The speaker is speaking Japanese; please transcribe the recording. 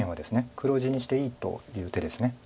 黒地にしていいという手です。